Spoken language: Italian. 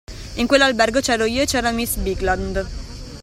In quell’albergo c’ero io e c’era miss Bigland.